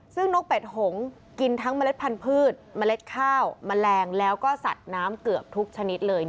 ซึ่งนกเป็ดหงกินทั้งเมล็ดพันธุ์เมล็ดข้าวแมลงแล้วก็สัตว์น้ำเกือบทุกชนิดเลย